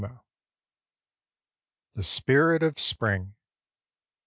THE SPIRIT OF SPRING.